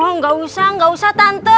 oh gak usah gak usah tante